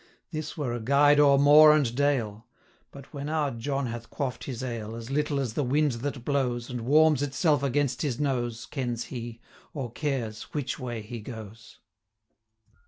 415 This were a guide o'er moor and dale; But, when our John hath quaff'd his ale, As little as the wind that blows, And warms itself against his nose, Kens he, or cares, which way he goes.'